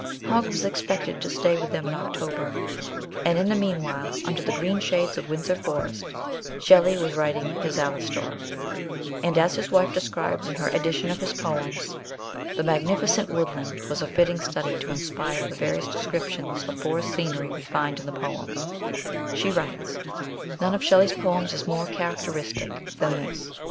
Hogg was expected to stay with them in October, and in the meanwhile, under the green shades of Windsor Forest, Shelley was writing his Alastor, and, as his wife describes in her edition of his poems, *' The magnificent woodland was a fitting study to inspire the various descriptions of forest scenery we find in the poem/' She writes : None of Shelley's poems is more characteristic than this.